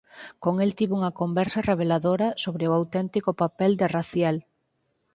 Con el tivo unha conversa reveladora sobre o auténtico papel de Raziel.